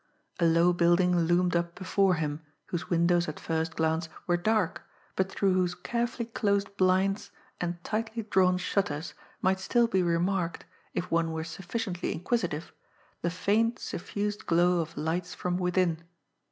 A low building loomed up before him, whose windows at first glance were dark, but through whose carefully closed blinds and tightly drawn shutters might still be remarked, if one were sufficiently inquisitive, the faint, suffused glow of lights from within.